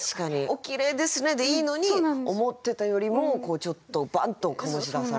「お綺麗ですね」でいいのに「思ってたよりも」をちょっとバンッと醸し出される。